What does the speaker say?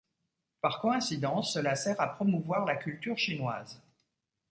Par coïncidence, cela sert à promouvoir la culture chinoise.